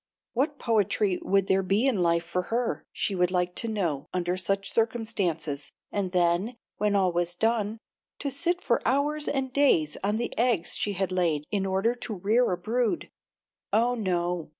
What poetry would there be in life for her, she would like to know, under such circumstances, and then, when all was done, to sit for hours and days on the eggs she had laid in order to rear a brood. Oh, no!